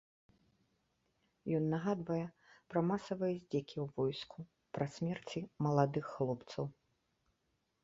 Ён нагадвае пра масавыя здзекі ў войску, пра смерці маладых хлопцаў.